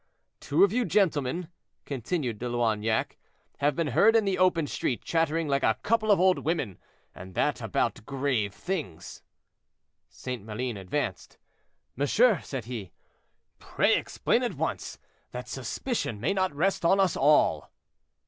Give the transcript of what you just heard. "Two of you, gentlemen," continued De Loignac, "have been heard in the open street chattering like a couple of old women, and that about grave things." St. Maline advanced. "Monsieur," said he, "pray explain at once, that suspicion may not rest on us all."